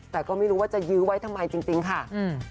แต่ก็ไม่รู้ว่าจะยื้อไว้ทำไมจริงจริงค่ะอืม